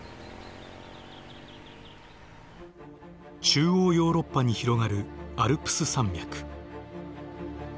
中央ヨーロッパに広がるアルプス山脈。